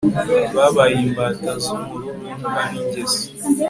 babaye imbata zumururumba ningeso